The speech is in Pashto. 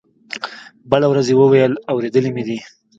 بله ورځ يې وويل اورېدلي مې دي.